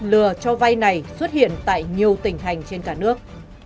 lừa cho vay này xuất hiện tại nhiều tỉnh hành trên cả nước